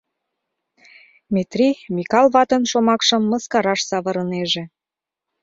— Метрий Микал ватын шомакшым мыскараш савырынеже.